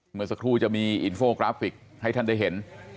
เมื่อสักครู่จะมีอินโฟกราฟิกให้ท่านได้เห็น